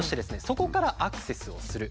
そこからアクセスをする。